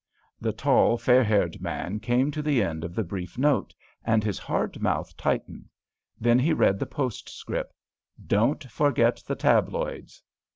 _" The tall, fair haired man came to the end of the brief note, and his hard mouth tightened; then he read the postscript: "_Don't forget the tabloids!